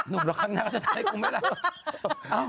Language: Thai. นุ่มละครับนางอาจจะตายกูไม่รัก